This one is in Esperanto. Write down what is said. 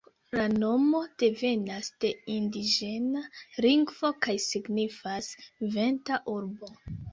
La nomo devenas de indiĝena lingvo kaj signifas ""venta urbo"".